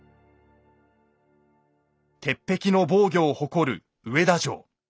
鉄壁の防御を誇る上田城。